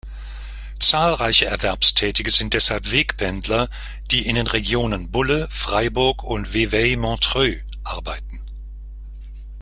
Zahlreiche Erwerbstätige sind deshalb Wegpendler, die in den Regionen Bulle, Freiburg und Vevey-Montreux arbeiten.